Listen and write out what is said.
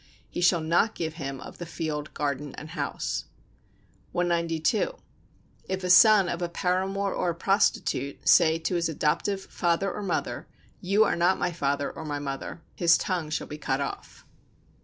He shall not give him of the field, garden and house. 192. If a son of a paramour or a prostitute say to his adoptive father or mother: "You are not my father, or my mother," his tongue shall be cut off.